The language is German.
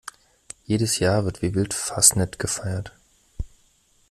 Jedes Jahr wird wie wild Fasnet gefeiert.